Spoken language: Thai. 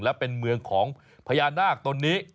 และเป็นเมืองของพญานาคตนนี้